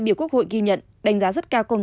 bốn tình hình tiêm chủng